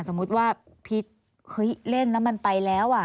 สมมุติว่าพีชเฮ้ยเล่นแล้วมันไปแล้วอ่ะ